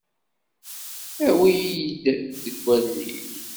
Awi-yi-d deg wallen-ik.